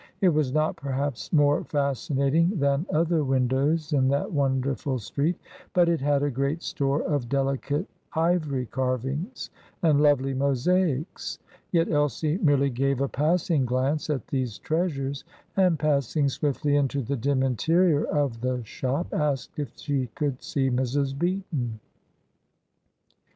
It was not, perhaps, more fascinating than other windows in that wonderful street, but it had a great store of delicate ivory carvings and lovely mosaics. Yet Elsie merely gave a passing glance at these treasures, and, passing swiftly into the dim interior of the shop, asked if she could see Mrs. Beaton.